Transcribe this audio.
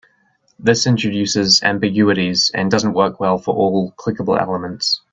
This introduces ambiguities and doesn't work well for all clickable elements.